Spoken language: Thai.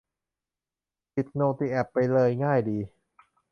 ปิดโนติแอปไปเลย ง่ายดี